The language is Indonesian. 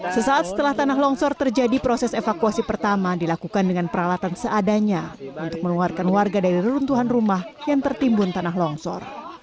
sesaat setelah tanah longsor terjadi proses evakuasi pertama dilakukan dengan peralatan seadanya untuk mengeluarkan warga dari reruntuhan rumah yang tertimbun tanah longsor